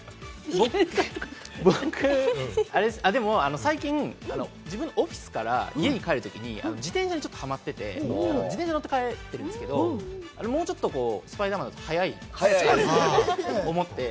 僕、最近、自分のオフィスから家に帰るときに自転車にハマってて、自転車を乗って帰ってるんですけれども、あれもうちょっとスパイダーマンだと速いと思って。